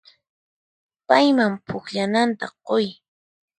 Payman pukllananta quy.